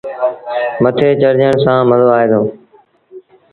مٿي چڙڄڻ سآݩ مزو آئي دو۔